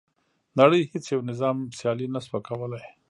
نړۍ هیڅ یو نظام سیالي نه شوه کولای.